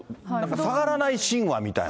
下がらない神話みたいな。